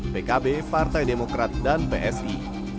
pkb partai demokrat dan psi